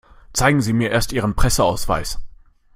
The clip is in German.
Zeigen Sie mir erst Ihren Presseausweis.